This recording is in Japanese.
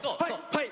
はい！